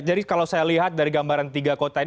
jadi kalau saya lihat dari gambaran tiga kota ini